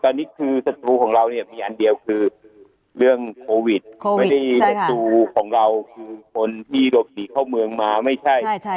ตอนนี้คือศัตรูของเราเนี่ยมีอันเดียวคือเรื่องโควิดไม่ได้ศัตรูของเราคือคนที่หลบหนีเข้าเมืองมาไม่ใช่